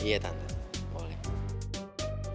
kebetulan ada adriana rempong